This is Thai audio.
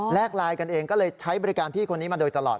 ไลน์กันเองก็เลยใช้บริการพี่คนนี้มาโดยตลอด